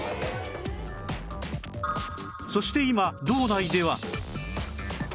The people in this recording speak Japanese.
そして今道内では